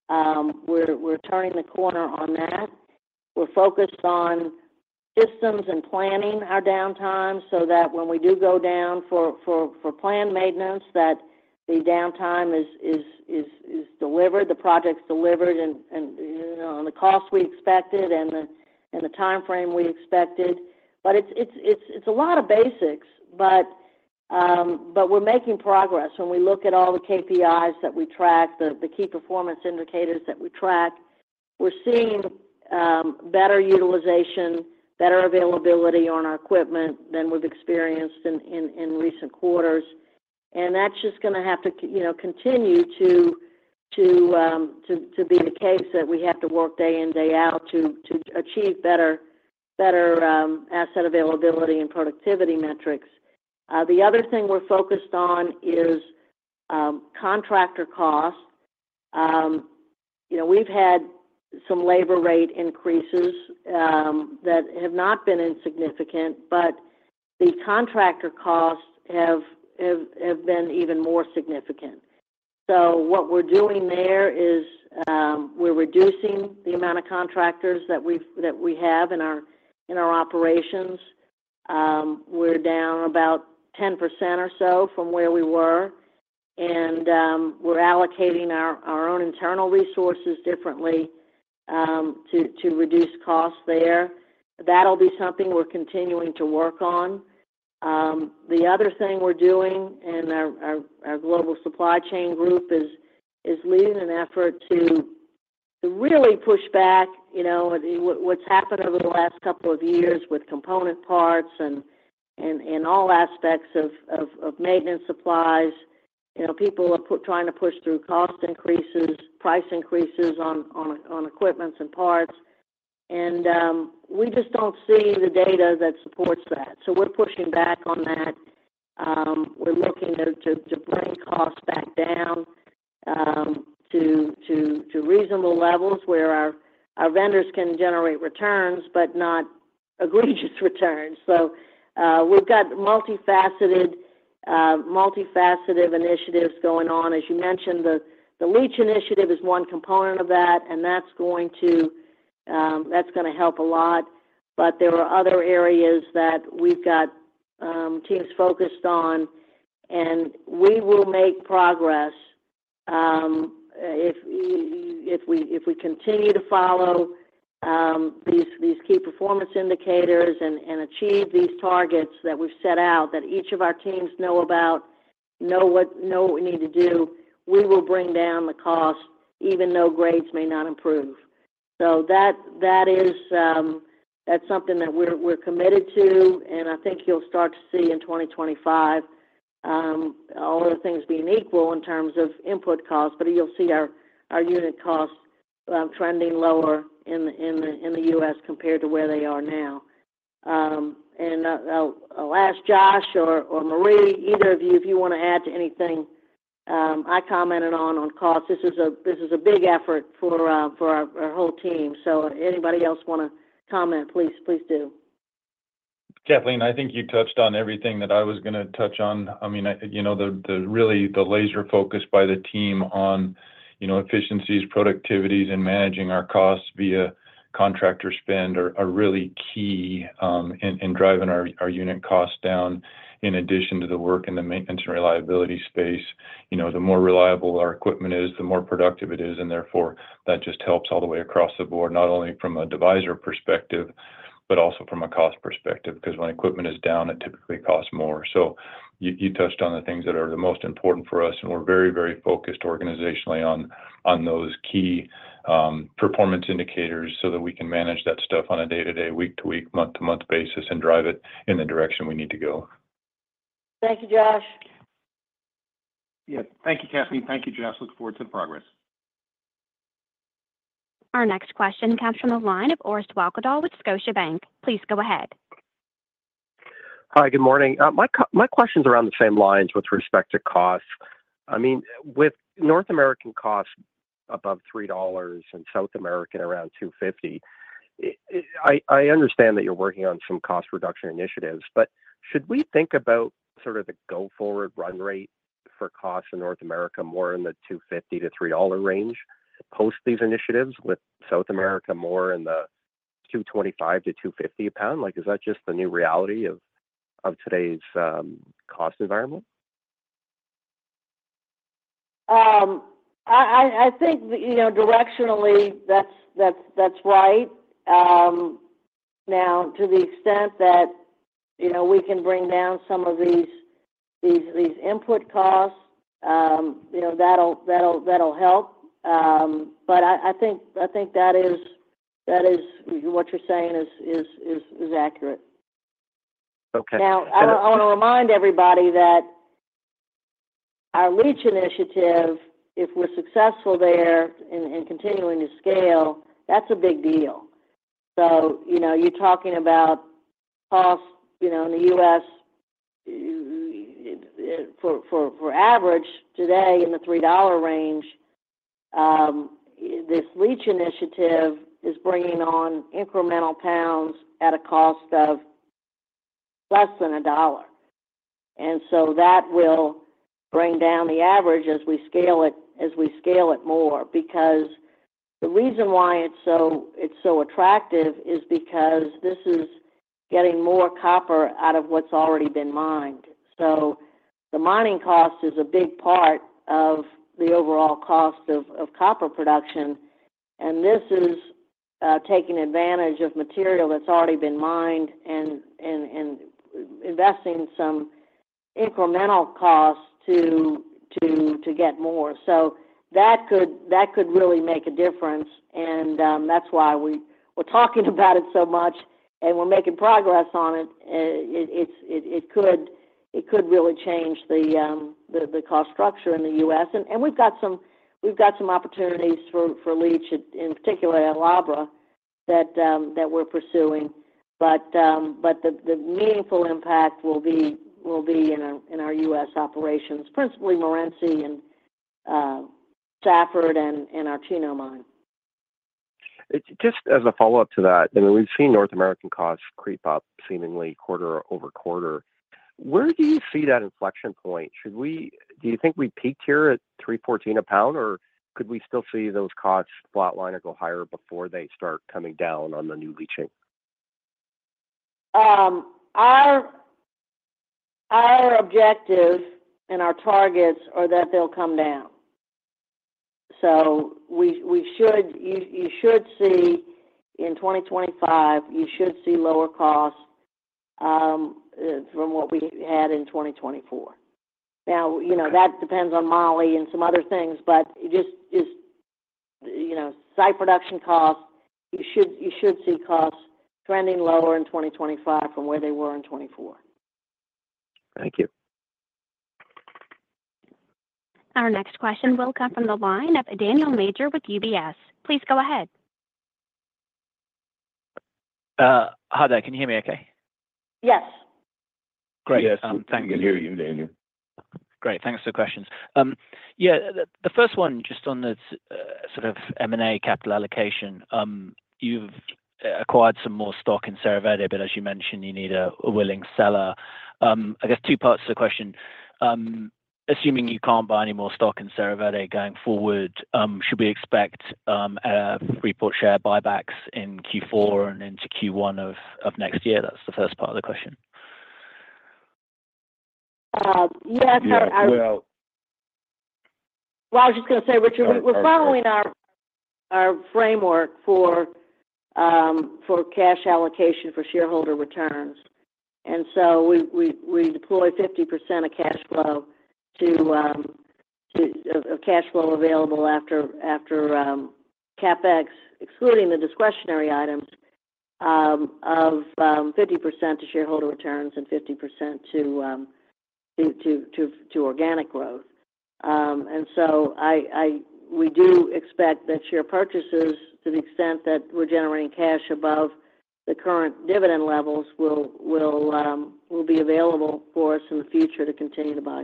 We're turning the corner on that. We're focused on systems and planning our downtime so that when we do go down for planned maintenance, that the downtime is delivered, the project's delivered, and you know, on the cost we expected and the timeframe we expected. But it's a lot of basics, but we're making progress. When we look at all the KPIs that we track, the key performance indicators that we track, we're seeing better utilization, better availability on our equipment than we've experienced in recent quarters, and that's just gonna have to, you know, continue to be the case, that we have to work day in, day out to achieve better asset availability and productivity metrics. The other thing we're focused on is contractor costs. You know, we've had some labor rate increases that have not been insignificant, but the contractor costs have been even more significant. So what we're doing there is we're reducing the amount of contractors that we have in our operations. We're down about 10% or so from where we were, and we're allocating our own internal resources differently to reduce costs there. That'll be something we're continuing to work on. The other thing we're doing, and our global supply chain group is leading an effort to really push back, you know, what's happened over the last couple of years with component parts and all aspects of maintenance supplies. You know, people are trying to push through cost increases, price increases on equipment and parts, and we just don't see the data that supports that, so we're pushing back on that. We're looking to bring costs back down to reasonable levels where our vendors can generate returns, but not egregious returns. So, we've got multifaceted initiatives going on. As you mentioned, the leach initiative is one component of that, and that's gonna help a lot. But there are other areas that we've got teams focused on, and we will make progress. If we continue to follow these key performance indicators and achieve these targets that we've set out, that each of our teams know about, know what we need to do, we will bring down the cost, even though grades may not improve. That is something that we're committed to, and I think you'll start to see in twenty twenty-five, all other things being equal in terms of input costs, but you'll see our unit costs trending lower in the U.S. compared to where they are now. And I'll ask Josh or Mareé, either of you, if you want to add to anything I commented on costs. This is a big effort for our whole team, so anybody else want to comment, please do. Kathleen, I think you touched on everything that I was going to touch on. I mean, you know, the really, the laser focus by the team on, you know, efficiencies, productivities, and managing our costs via contractor spend are really key in driving our unit costs down, in addition to the work in the maintenance and reliability space. You know, the more reliable our equipment is, the more productive it is, and therefore, that just helps all the way across the board, not only from a divisor perspective, but also from a cost perspective, 'cause when equipment is down, it typically costs more. You touched on the things that are the most important for us, and we're very, very focused organizationally on those key performance indicators so that we can manage that stuff on a day-to-day, week-to-week, month-to-month basis and drive it in the direction we need to go. Thank you, Josh. Yeah. Thank you, Kathleen. Thank you, Josh. Look forward to the progress. Our next question comes from the line of Orest Wowkodaw with Scotiabank. Please go ahead. Hi, good morning. My question's around the same lines with respect to cost. I mean, with North American cost above $3 and South American around $2.50, I understand that you're working on some cost reduction initiatives, but should we think about sort of the go-forward run rate for costs in North America more in the $2.50-$3 range post these initiatives, with South America more in the $2.25-$2.50 a pound? Like, is that just the new reality of today's cost environment? I think, you know, directionally, that's right. Now, to the extent that, you know, we can bring down some of these input costs, you know, that'll help. But I think that is what you're saying is accurate. Okay. Now, I want to remind everybody that our leach initiative, if we're successful there in continuing to scale, that's a big deal. So, you know, you're talking about costs, you know, in the U.S., for average today in the $3 range, this leach initiative is bringing on incremental pounds at a cost of less than $1. And so that will bring down the average as we scale it, as we scale it more. Because the reason why it's so, it's so attractive is because this is getting more copper out of what's already been mined. So the mining cost is a big part of the overall cost of copper production, and this is taking advantage of material that's already been mined and investing some incremental costs to get more. That could really make a difference, and that's why we're talking about it so much, and we're making progress on it. It could really change the cost structure in the U.S. We've got some opportunities for leach, in particular at Chino, that we're pursuing. But the meaningful impact will be in our U.S. operations, principally Morenci and Safford and our Chino mine. Just as a follow-up to that, I mean, we've seen North American costs creep up seemingly quarter-over-quarter. Where do you see that inflection point? Do you think we peaked here at $3.14 a pound, or could we still see those costs flatline or go higher before they start coming down on the new leaching? Our objectives and our targets are that they'll come down. So we should, you should see, in 2025, you should see lower costs from what we had in 2024. Now, you know- Okay... that depends on moly and some other things, but just, you know, site production costs. You should see costs trending lower in 2025 from where they were in 2024. Thank you. Our next question will come from the line of Daniel Major with UBS. Please go ahead. Hi there. Can you hear me okay? Yes. Great. Yes- Thank you.... we can hear you, Daniel. Great. Thanks for the questions. Yeah, the first one, just on the sort of M&A capital allocation. You've acquired some more stock in Cerro Verde, but as you mentioned, you need a willing seller. I guess two parts to the question. Assuming you can't buy any more stock in Cerro Verde going forward, should we expect reported share buybacks in Q4 and into Q1 of next year? That's the first part of the question.... Yes, I. Yeah, well. I was just going to say, Richard, we're following our framework for cash allocation for shareholder returns. We deploy 50% of cash flow available after CapEx, excluding the discretionary items, 50% to shareholder returns and 50% to organic growth. We do expect that share purchases, to the extent that we're generating cash above the current dividend levels, will be available for us in the future to continue to buy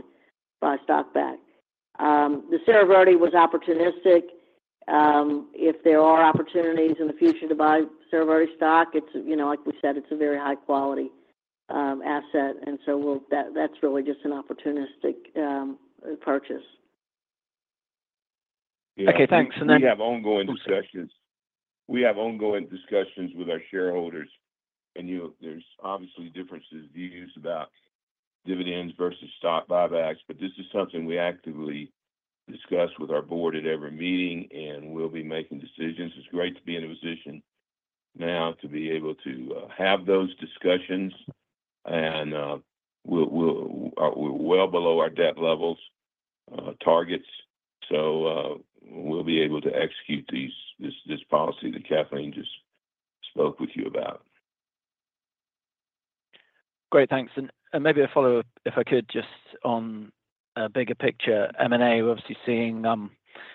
stock back. The Cerro Verde was opportunistic. If there are opportunities in the future to buy Cerro Verde stock, you know, like we said, it's a very high quality asset, and so that's really just an opportunistic purchase. Okay, thanks. And then- We have ongoing discussions with our shareholders, and, you know, there's obviously differences of views about dividends versus stock buybacks, but this is something we actively discuss with our board at every meeting, and we'll be making decisions. It's great to be in a position now to be able to have those discussions, and we're well below our debt levels, targets, so we'll be able to execute this policy that Kathleen just spoke with you about. Great, thanks. And maybe a follow-up, if I could, just on bigger picture M&A. We're obviously seeing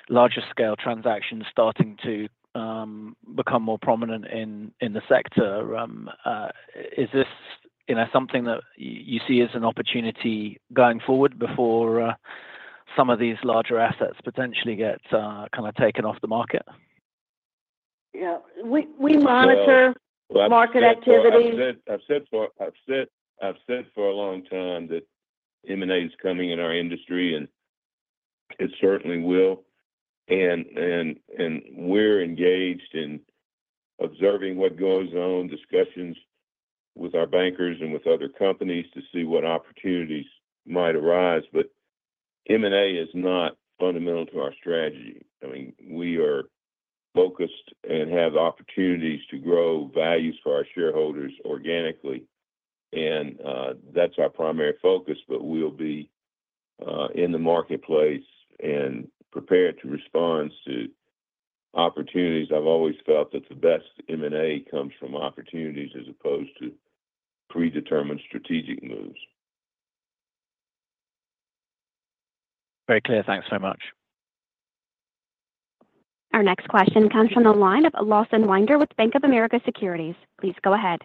larger scale transactions starting to become more prominent in the sector. Is this, you know, something that you see as an opportunity going forward before some of these larger assets potentially get kind of taken off the market? Yeah. We monitor- Well- -market activity. I've said for a long time that M&A is coming in our industry, and it certainly will, and we're engaged in observing what goes on, discussions with our bankers and with other companies to see what opportunities might arise, but M&A is not fundamental to our strategy. I mean, we are focused and have opportunities to grow values for our shareholders organically, and that's our primary focus, but we'll be in the marketplace and prepared to respond to opportunities. I've always felt that the best M&A comes from opportunities as opposed to predetermined strategic moves. Very clear. Thanks so much. Our next question comes from the line of Lawson Winder with Bank of America Securities. Please go ahead.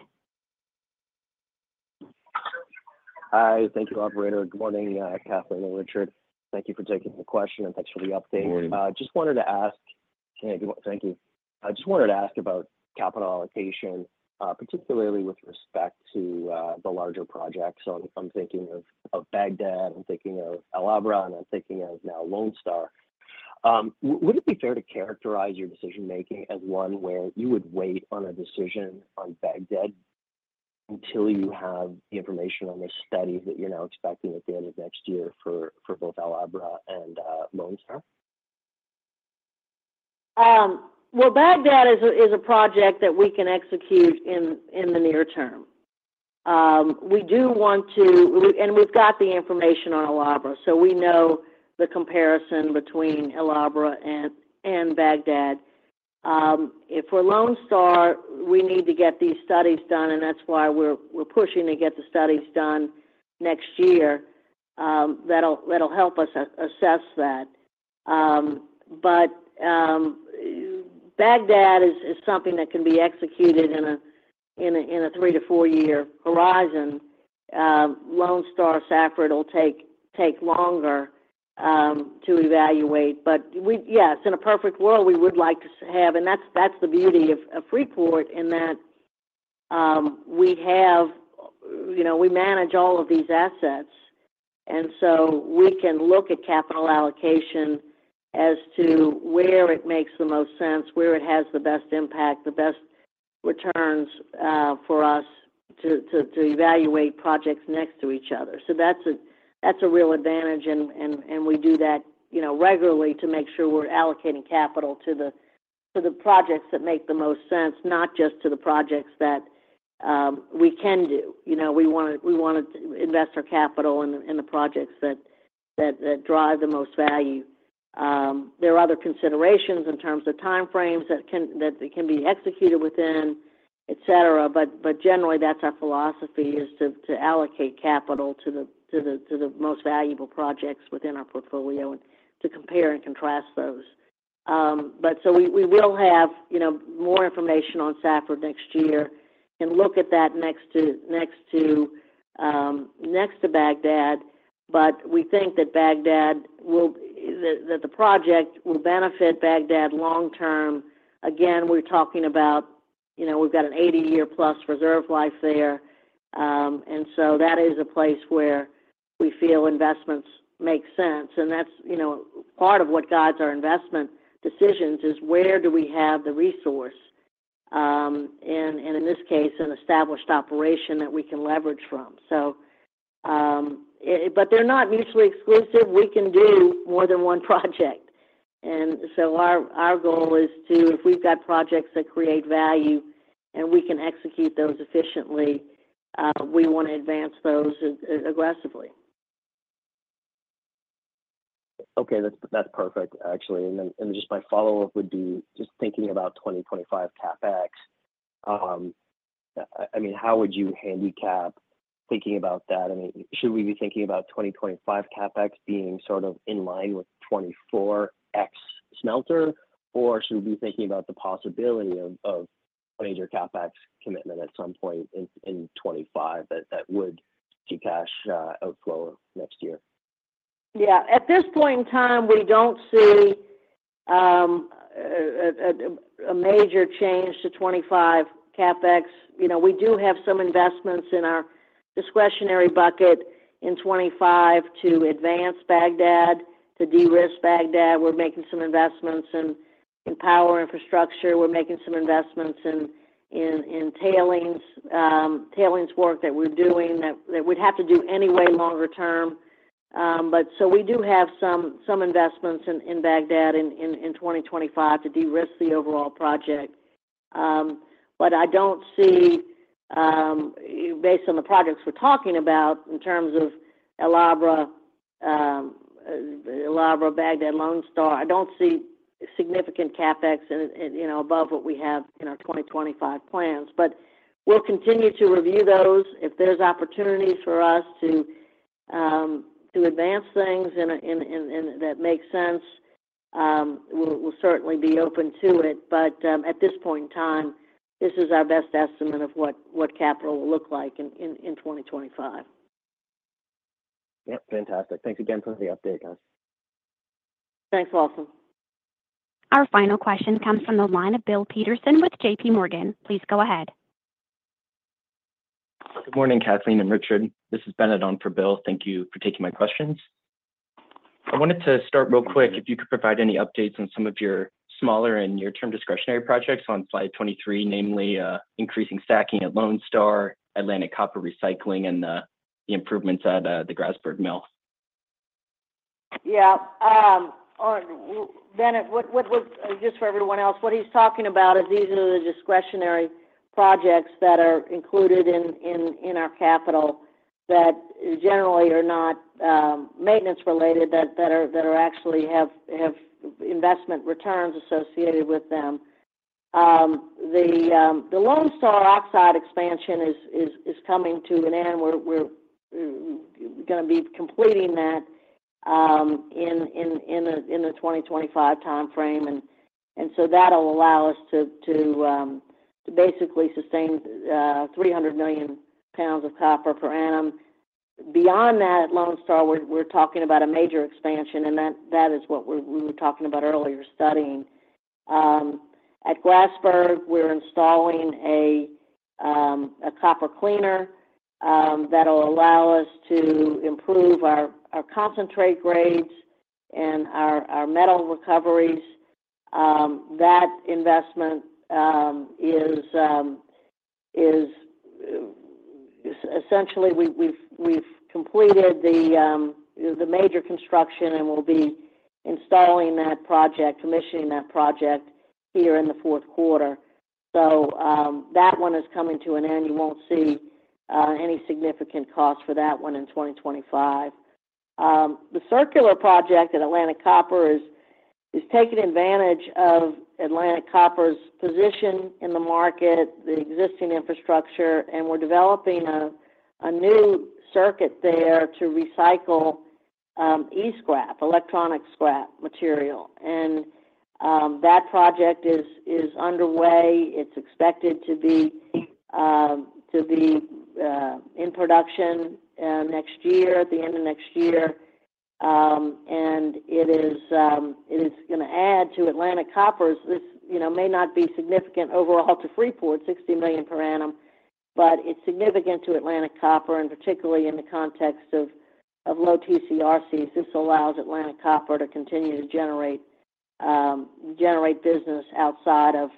Hi. Thank you, operator. Good morning, Kathleen and Richard. Thank you for taking the question, and thanks for the update. Good morning. Thank you. I just wanted to ask about capital allocation, particularly with respect to the larger projects. So I'm thinking of Bagdad, I'm thinking of El Abra, and I'm thinking of now Lone Star. Would it be fair to characterize your decision-making as one where you would wait on a decision on Bagdad until you have the information on the studies that you're now expecting at the end of next year for both El Abra and Lone Star? Well, Bagdad is a project that we can execute in the near term. We do want to. And we've got the information on El Abra, so we know the comparison between El Abra and Bagdad. For Lone Star, we need to get these studies done, and that's why we're pushing to get the studies done next year. That'll help us assess that. But Bagdad is something that can be executed in a three-to-four-year horizon. Lone Star, Safford will take longer to evaluate. But yes, in a perfect world, we would like to have. And that's the beauty of Freeport, in that we have, you know, we manage all of these assets. And so we can look at capital allocation as to where it makes the most sense, where it has the best impact, the best returns, for us to evaluate projects next to each other, so that's a real advantage, and we do that, you know, regularly to make sure we're allocating capital to the projects that make the most sense, not just to the projects that we can do. You know, we wanna invest our capital in the projects that drive the most value. There are other considerations in terms of time frames that can be executed within, et cetera, but generally, that's our philosophy is to allocate capital to the most valuable projects within our portfolio and to compare and contrast those. But so we will have, you know, more information on Safford next year and look at that next to Bagdad. But we think that Bagdad will, that the project will benefit Bagdad long term. Again, we're talking about, you know, we've got an eighty-year-plus reserve life there, and so that is a place where we feel investments make sense. And that's, you know, part of what guides our investment decisions is, where do we have the resource? And in this case, an established operation that we can leverage from. But they're not mutually exclusive. We can do more than one project. And so our goal is to, if we've got projects that create value and we can execute those efficiently, we wanna advance those aggressively. Okay, that's perfect, actually. And then, and just my follow-up would be just thinking about 2025 CapEx. I mean, how would you handicap thinking about that? I mean, should we be thinking about 2025 CapEx being sort of in line with 2024 ex-smelter? Or should we be thinking about the possibility of major CapEx commitment at some point in 2025 that would see cash outflow next year? Yeah. At this point in time, we don't see a major change to 2025 CapEx. You know, we do have some investments in our discretionary bucket in 2025 to advance Bagdad, to de-risk Bagdad. We're making some investments in power infrastructure. We're making some investments in tailings work that we're doing that we'd have to do anyway longer term, but so we do have some investments in Bagdad in 2025 to de-risk the overall project, but I don't see, based on the projects we're talking about in terms of El Abra, El Abra, Bagdad, Lone Star, I don't see significant CapEx in, you know, above what we have in our 2025 plans, but we'll continue to review those. If there's opportunities for us to advance things in a way that make sense, we'll certainly be open to it. But at this point in time, this is our best estimate of what capital will look like in 2025. Yep. Fantastic. Thanks again for the update, guys. Thanks, Lawson. Our final question comes from the line of Bill Peterson with J.P. Morgan. Please go ahead. Good morning, Kathleen and Richard. This is Bennett on for Bill. Thank you for taking my questions. I wanted to start real quick, if you could provide any updates on some of your smaller and near-term discretionary projects on slide twenty-three, namely, increasing stacking at Lone Star, Atlantic Copper Recycling, and the improvements at the Grasberg Mill. Yeah. Or Bennett, what. Just for everyone else, what he's talking about is these are the discretionary projects that are included in our capital that generally are not maintenance related, that are actually have investment returns associated with them. The Lone Star oxide expansion is coming to an end. We're gonna be completing that in the 2025 time frame. And so that'll allow us to basically sustain 300 million pounds of copper per annum. Beyond that, at Lone Star, we're talking about a major expansion, and that is what we were talking about earlier, studying. At Grasberg, we're installing a copper cleaner that will allow us to improve our concentrate grades and our metal recoveries. That investment is essentially we've completed the major construction, and we'll be installing that project, commissioning that project here in the Q4. So, that one is coming to an end. You won't see any significant cost for that one in 2025. The Circular project at Atlantic Copper is taking advantage of Atlantic Copper's position in the market, the existing infrastructure, and we're developing a new circuit there to recycle e-scrap, electronic scrap material. And, that project is underway. It's expected to be in production next year, at the end of next year. And it is gonna add to Atlantic Copper's. This, you know, may not be significant overall to Freeport, 60 million per annum, but it's significant to Atlantic Copper, and particularly in the context of low TCRCs. This allows Atlantic Copper to continue to generate business outside of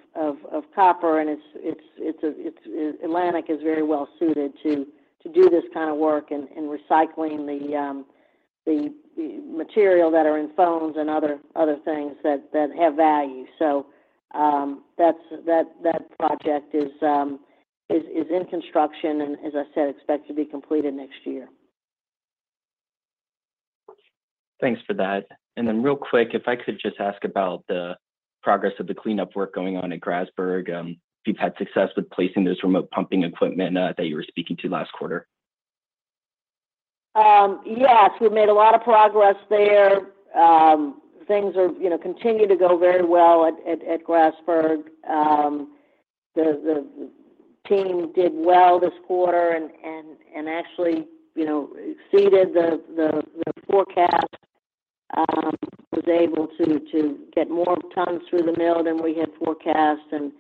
copper, and it's a, Atlantic is very well-suited to do this kind of work in recycling the material that are in phones and other things that have value. So, that's that project is in construction, and as I said, expect to be completed next year. Thanks for that. And then real quick, if I could just ask about the progress of the cleanup work going on at Grasberg. If you've had success with placing this remote pumping equipment that you were speaking to last quarter? Yes, we've made a lot of progress there. Things are, you know, continuing to go very well at Grasberg. The team did well this quarter and actually, you know, exceeded the forecast, was able to get more tons through the mill than we had forecast, and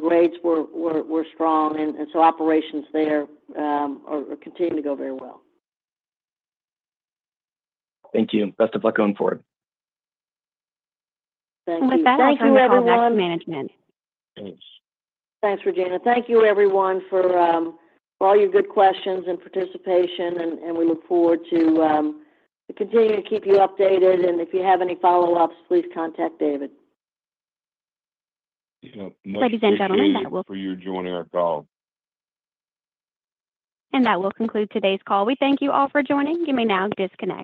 grades were strong, and so operations there are continuing to go very well. Thank you. Best of luck going forward. Thank you. With that, I'll turn the call back to management. Thanks. Thanks, Regina. Thank you, everyone, for all your good questions and participation, and we look forward to continuing to keep you updated. And if you have any follow-ups, please contact David. Yep. Representative on that will- Thank you for joining our call. That will conclude today's call. We thank you all for joining. You may now disconnect.